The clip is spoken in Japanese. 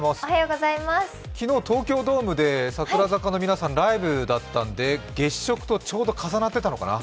昨日、東京ドームで櫻坂の皆さん、ライブだったんで月食とちょうど重なってたのかな？